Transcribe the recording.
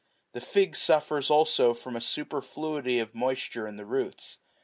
The fig suffers also from a super fluity of moisture in the roots.